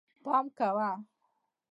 پام کوه